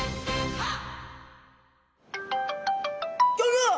あっどうも。